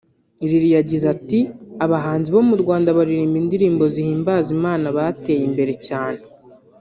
Lily yagize ati “Abahanzi bo mu Rwanda baririmba indirimbo zihimbaza Imana bateye imbere cyane